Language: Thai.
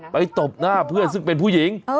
ตบหน้าเพื่อนซึ่งเป็นผู้หญิง